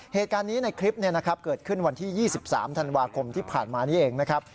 เหตุการณ์นี้ในคลิปเกิดขึ้นวันที่๒๓ธันวาคมที่ผ่านมานี้เองนะครับ